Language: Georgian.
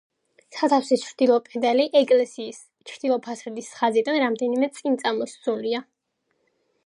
სათავსის ჩრდილო კედელი ეკლესიის ჩრდილო ფასადის ხაზიდან რამდენადმე წინწამოსწულია.